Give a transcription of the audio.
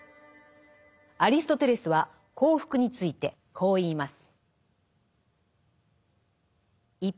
アリストテレスは「幸福」についてこう言います。